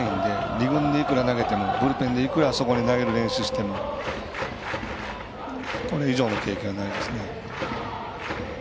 ２軍でいくら投げてもブルペンで、いくらあそこに投げる練習をしてもこれ以上の経験はないですね。